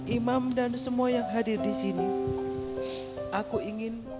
imam dan semua yang hadir di sini aku ingin